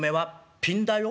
ピンだよ